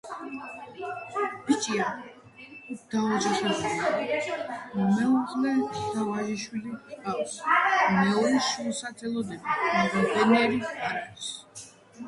ბაჭია დაოჯახებულია, მეუღლე და ვაჟიშვილი ჰყავს, მეორე შვილსაც ელოდება, მაგრამ ბედნიერი არ არის.